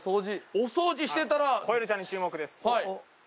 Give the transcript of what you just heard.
・お掃除してたらコエルちゃんに注目です